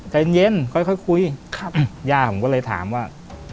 ใจเย็นค่อยคุยย่าผมก็เลยถามว่า